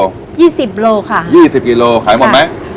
๒๐กิโลกรัมค่ะ๒๐กิโลกรัมขายหมดไหม